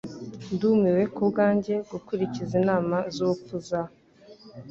Ndumiwe kubwanjye gukurikiza inama zubupfu za